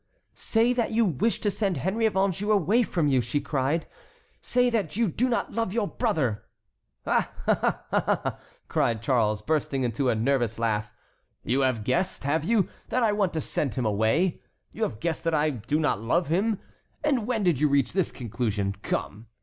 "Say that you wish to send Henry of Anjou away from you," she cried, "say that you do not love your brother!" "Ah! ah! ah!" cried Charles, bursting into a nervous laugh, "you have guessed, have you, that I want to send him away? You have guessed that I do not love him? And when did you reach this conclusion? Come!